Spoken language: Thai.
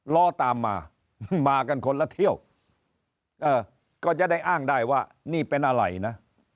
ล้อตามมามากันคนละเที่ยวก็จะได้อ้างได้ว่านี่เป็นอะไรนะ